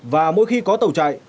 và mỗi khi có tàu chạy